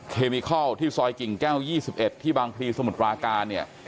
เคมิเคลที่ซอยกิ่งแก้ว๒๑ที่บางพลีสมุทรวากา